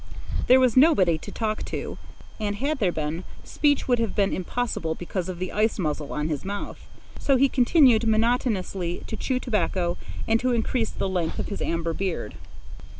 There was nobody to talk to and, had there been, speech would have been impossible because of the ice muzzle on his mouth. So he continued monotonously to chew tobacco and to increase the length of his amber beard.